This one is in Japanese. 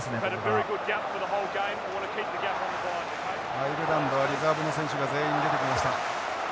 アイルランドはリザーブの選手が全員出てきました。